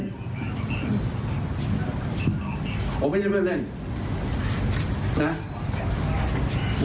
ผมไม่ได้เพื่อนเล่นนะผมไปแล้วผมพอค้าพวด